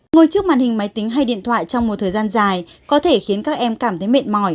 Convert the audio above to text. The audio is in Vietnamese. ngồi trước màn hình máy tính hay điện thoại trong một thời gian dài có thể khiến các em cảm thấy mệt mỏi